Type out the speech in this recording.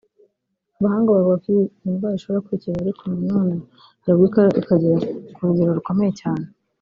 Abahanga bavuga ko iyi ndwara ishobora kwikiza ariko na none hari ubwo ikara ikagera ku rugero rukomeye cyane